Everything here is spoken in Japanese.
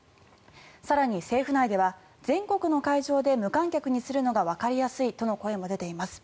更に政府内では全国の会場で無観客にするのがわかりやすいとの声も出ています。